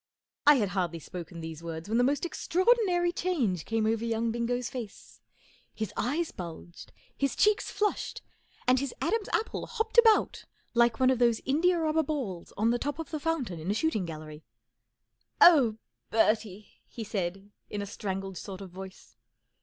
I had hardly spoken these words when the most extraordinary change came over young Bingo's face. His eyes bulged, his cheeks flushed, and his Adam's apple hopped about like one of those india rubber balls on the top of the fountain in a shooting gallery. 11 Oh, Bertie !" he said, in a strangled sort of voice.